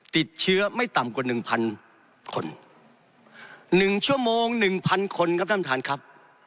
ติดเชื้อไม่ต่ำกว่าหนึ่งพันคนหนึ่งชั่วโมงหนึ่งพันคนครับท่านประธานครับ